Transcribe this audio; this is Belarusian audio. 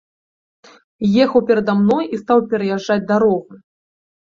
Ехаў перада мной і стаў пераязджаць дарогу.